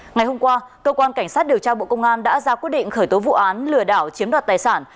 ngày hôm qua cơ quan cảnh sát điều tra bộ công an đã ra quyết định khởi tố vụ án lừa đảo chiếm đoạt tài sản